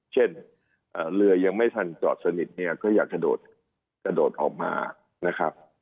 เช่นเรือยังไม่ทันจอดสนิทเนี่ยก็อยากจะกระโดดออกมานะครับ